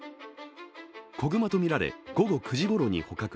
子熊とみられ、午後９時ごろに捕獲。